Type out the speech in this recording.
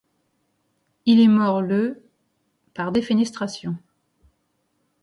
Il est mort le par défenestration.